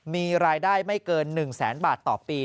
มีรายได้ไม่เกิน๑แสนบาทต่อปี